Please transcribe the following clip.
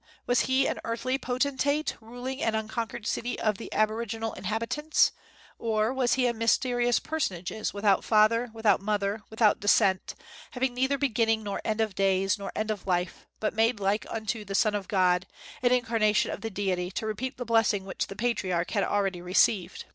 Was he an earthly potentate ruling an unconquered city of the aboriginal inhabitants; or was he a mysterious personage, without father, without mother, without descent, having neither beginning nor end of days, nor end of life, but made like unto the Son of God, an incarnation of the Deity, to repeat the blessing which the patriarch had already received?